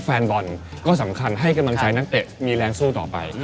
แฟนบอลก็สำคัญให้กำลังใจนักเตะมีแรงสู้ต่อไป